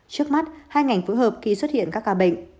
trước mắt hai ngành phối hợp khi xuất hiện các ca bệnh